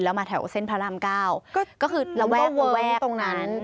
แล้วมาแถวเส้นพระรามก้าวก็คือเราแวะตรงนั้น